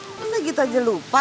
emang begitu aja lupa